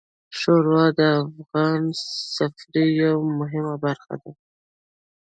ښوروا د افغان سفرې یوه مهمه برخه ده.